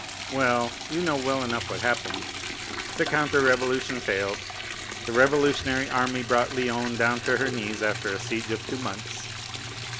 Well, you know well enough what happened. The counter revolution failed; the revolutionary army brought Lyons down to her knees after a siege of two months.